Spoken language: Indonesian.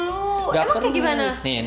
oh gak perlu emang kayak gimana